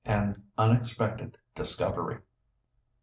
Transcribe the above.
AN UNEXPECTED DISCOVERY.